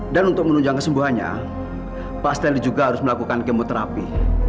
dan untuk menunjang kesembuhannya pak stanley juga harus melakukan kemoterapi